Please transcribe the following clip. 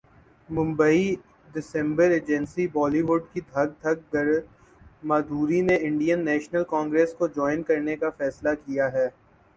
ممبئی ڈسمبرایجنسی Bollywood کی Dhak Dhak girl Madhuri نے انڈین نیشنل کانگرس کو جائن کرنے کا فیصلہ کیا ہے